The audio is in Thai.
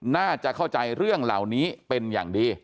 น่าจะเข้าใจเรื่องเหล่านี้เป็นอย่างดี